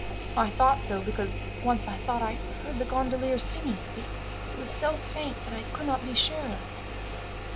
I thought so, because once I thought I heard the gondoliers singing, but it was so faint that I could not be sure.